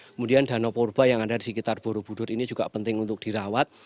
kemudian danau purba yang ada di sekitar borobudur ini juga penting untuk dirawat